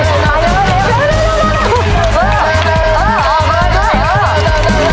เร็วเร็วเร็ว